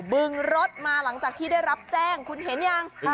บึงรถมาหลังจากที่ได้รับแจ้งคุณเห็นยัง